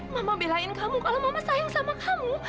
mama belain kamu kalau mama sayang sama kamu